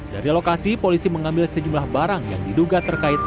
dari lokasi polisi mengambil sejumlah barang yang diduga terkait